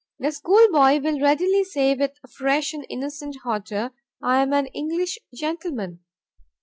The schoolboy will really say with fresh and innocent hauteur, "I am an English gentleman."